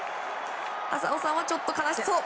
浅尾さんはちょっと悲しそう。